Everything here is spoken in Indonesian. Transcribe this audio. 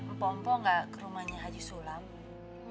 empok empok nggak ke rumahnya haji sulam